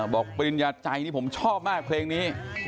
ปริญญาใจนี่ผมชอบมากเพลงนี้